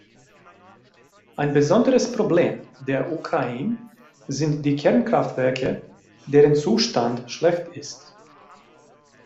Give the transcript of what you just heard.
Ein besonderes Problem der Ukraine sind die Kernkraftwerke, deren Zustand schlecht ist.